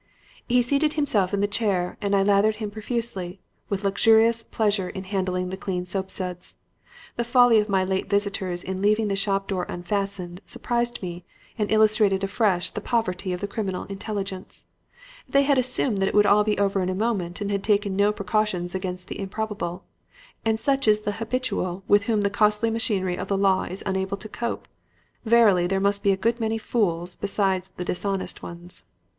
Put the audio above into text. "He seated himself in the chair and I lathered him profusely, with luxurious pleasure in handling the clean soapsuds. The folly of my late visitors in leaving the shop door unfastened, surprised me, and illustrated afresh the poverty of the criminal intelligence. They had assumed that it would be all over in a moment and had taken no precautions against the improbable. And such is the 'habitual' with whom the costly machinery of the law is unable to cope! Verily, there must be a good many fools besides the dishonest ones!